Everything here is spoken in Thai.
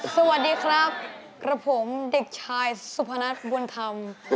สวัสดีครับกับผมเด็กชายสุพนัทบุญธรรม